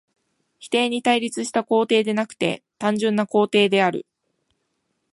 否定に対立した肯定でなくて単純な肯定である。